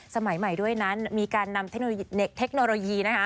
สมัยใหม่ด้วยนั้นมีการนำเทคโนโลยีนะคะ